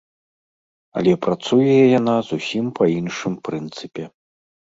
Але працуе яна зусім па іншым прынцыпе.